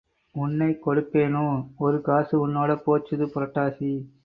உன்னைக் கொடுப்பேனோ ஒரு காசு உன்னோடே போச்சுது புரட்டாசி.